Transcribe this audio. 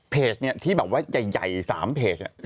เพจเนี่ยที่แบบว่าใหญ่๓เพจ